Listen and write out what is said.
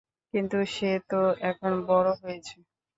কিন্তু সে তো এখন বড় হয়েছে।